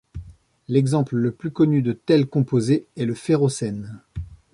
L'exemple le plus connu de tels composés est le ferrocène.